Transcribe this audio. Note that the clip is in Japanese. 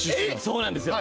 そうなんですよ。